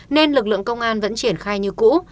nên lực lượng công an vẫn triển khai như cũ